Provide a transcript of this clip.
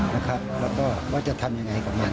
แล้วก็ว่าจะทำยังไงกับมัน